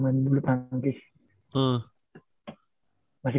main di bulu tangkis